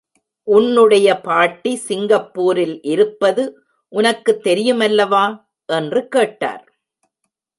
உன்னுடைய பாட்டி சிங்கப்பூரில் இருப்பது உனக்குத் தெரியுமல்லவா? என்று கேட்டார்.